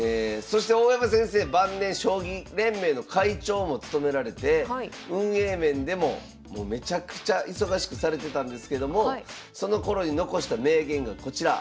そして大山先生晩年将棋連盟の会長も務められて運営面でももうめちゃくちゃ忙しくされてたんですけどもそのころに残した名言がこちら。